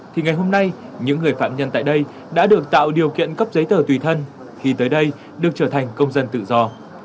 thì ngày hôm nay những người phạm nhân tại đây đã được tạo điều kiện cấp giấy tờ tùy thân khi tới đây được trở thành công dân tự do